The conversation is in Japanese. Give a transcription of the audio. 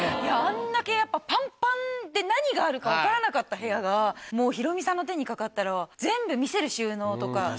あんだけやっぱパンパンで何があるか分からなかった部屋がもうヒロミさんの手にかかったら全部見せる収納とか。